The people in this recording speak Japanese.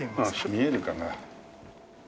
見えるかな？